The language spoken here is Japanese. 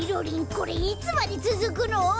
これいつまでつづくの？